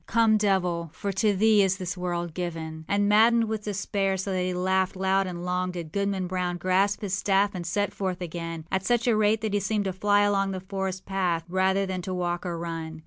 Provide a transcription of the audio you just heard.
Come, devil; for to thee is this world given.â And, maddened with despair, so that he laughed loud and long, did Goodman Brown grasp his staff and set forth again, at such a rate that he seemed to fly along the forest path rather than to walk or run.